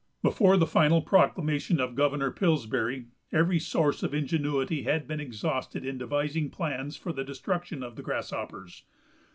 Before the final proclamation of Governor Pillsbury every source of ingenuity had been exhausted in devising plans for the destruction of the grasshoppers.